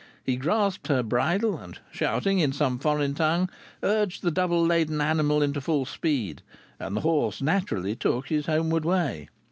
He grasped her bridle, and shouting in some foreign tongue, urged the double laden animal into full speed, and the horse naturally took his homeward way.